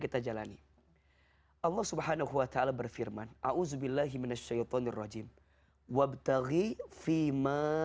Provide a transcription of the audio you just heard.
kita jalani allah subhanahu wa ta'ala berfirman auzubillahiminasyaitonirrojim wabtaghi fima